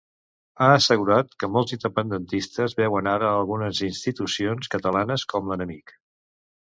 Ha assegurat que molts independentistes veuen ara algunes institucions catalanes com l'enemic.